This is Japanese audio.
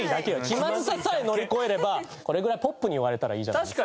気まずささえ乗り越えればこれぐらいポップに終われたらいいじゃないですか。